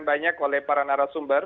banyak oleh para narasumber